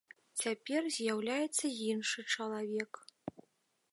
Цяпер з'яўляецца іншы чалавек.